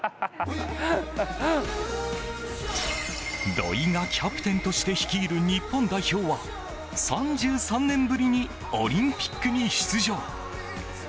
土井がキャプテンとして率いる日本代表は３３年ぶりにオリンピックに出場。